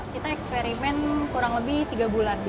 kita eksperimen kurang lebih tiga bulan